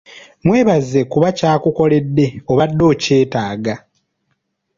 Mwebaze kuba kyakukoledde obadde okyetaaga.